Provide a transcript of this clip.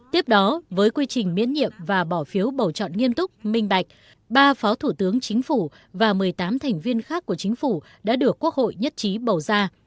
tiếp đó với quy trình miễn nhiệm và bỏ phiếu bầu chọn nghiêm túc minh bạch ba phó thủ tướng chính phủ và một mươi tám thành viên khác của chính phủ đã được quốc hội nhất trí bầu ra